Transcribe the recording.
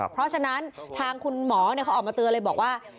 เพราะฉะนั้นทางคุณหมอเขาออกมาเตือนเลยบอกว่า